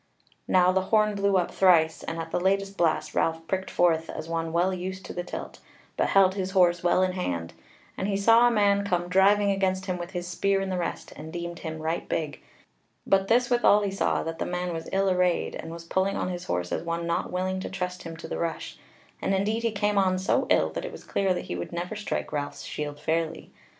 Now the horn blew up thrice, and at the latest blast Ralph pricked forth, as one well used to the tilt, but held his horse well in hand; and he saw a man come driving against him with his spear in the rest, and deemed him right big; but this withal he saw, that the man was ill arrayed, and was pulling on his horse as one not willing to trust him to the rush; and indeed he came on so ill that it was clear that he would never strike Ralph's shield fairly.